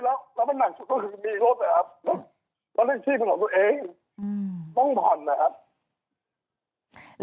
เพราะนั่นที่ของตัวเองต้องผ่อนนะครับ